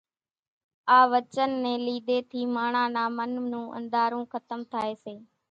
آ وچن ني ليڌي ٿي ماڻۿان نا من نون انڌارو کتم ٿائي سي